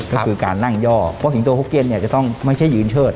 เพราะสิงโตฮุกเกี้ยนจะต้องไม่ใช่ยืนเชิด